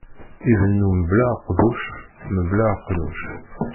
Ibennu mebla aqbuc, mebla aqnuc.